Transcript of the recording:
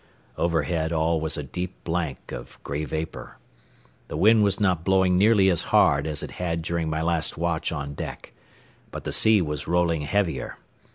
Overhead all was a deep blank of gray vapor. The wind was not blowing nearly as hard as it had during my last watch on deck, but the sea was rolling heavier.